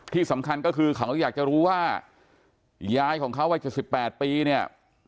ที่สำคัญก็คือเขาก็อยากจะรู้ว่าย้ายของเขาว่าจะสิบแปดปีเนี้ย